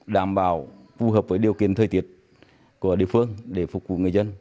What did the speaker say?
đảm bảo phù hợp với điều kiện thời tiết của địa phương để phục vụ người dân